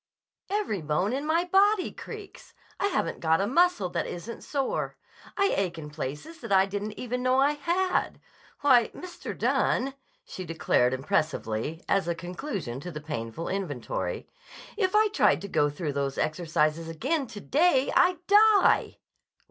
"Every bone in my body creaks. I haven't got a muscle that isn't sore. I ache in places that I didn't even know I had. Why, Mr. Dunne," she declared impressively, as a conclusion to the painful inventory, "if I tried to go through those exercises again to day, I'd die!"